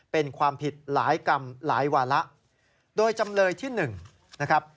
เป็นความผิดหลายกรรมหลายวาระโดยจำเลยที่๑นะครับ